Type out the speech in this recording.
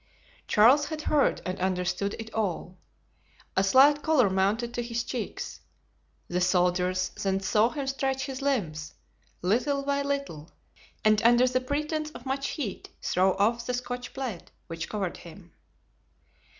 Charles had heard and understood it all. A slight color mounted to his cheeks. The soldiers then saw him stretch his limbs, little by little, and under the pretense of much heat throw off the Scotch plaid which covered him.